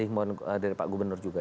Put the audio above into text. yang mohon dari pak gubernur juga